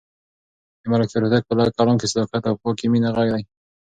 د ملکیار هوتک په کلام کې د صداقت او پاکې مینې غږ دی.